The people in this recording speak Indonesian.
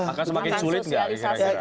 apakah semakin sulit gak